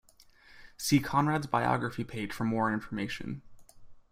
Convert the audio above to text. See Conrad's biography page for more information.